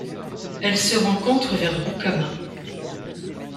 Elle se rencontre vers Goukamma.